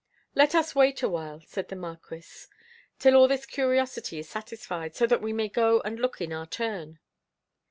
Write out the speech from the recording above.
"Let us wait a while," said the Marquis, "till all this curiosity is satisfied, so that we may go and look in our turn."